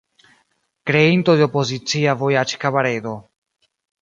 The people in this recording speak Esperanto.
Kreinto de opozicia vojaĝ-kabaredo.